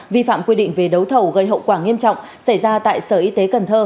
vi phạm quy định về đấu thầu gây hậu quả nghiêm trọng xảy ra tại sở y tế cần thơ